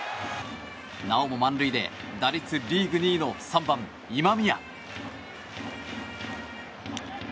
なおも満塁で打率リーグ２位の３番、今宮。